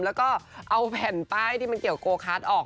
แล้วก็เอาแผ่นป้ายที่มันเกี่ยวโกคาร์ดออก